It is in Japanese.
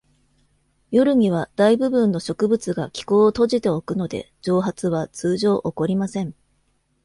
夜には、大部分の植物が気孔を閉じておくので、蒸発は通常起こりません。